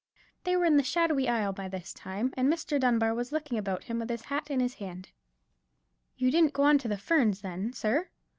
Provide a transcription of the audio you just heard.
They were in the shadowy aisle by this time, and Mr. Dunbar was looking about him with his hat in his hand. "You didn't go on to the Ferns, then, sir?"